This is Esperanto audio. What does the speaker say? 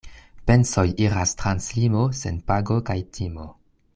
Pensoj iras trans limo sen pago kaj timo.